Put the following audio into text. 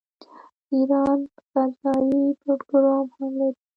ایران فضايي پروګرام هم لري.